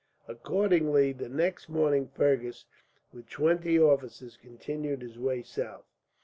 Accordingly, the next morning Fergus, with twenty officers, continued his way south.